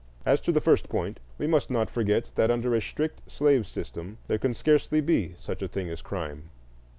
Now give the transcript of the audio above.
As to the first point, we must not forget that under a strict slave system there can scarcely be such a thing as crime.